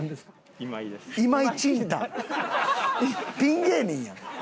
ピン芸人やん。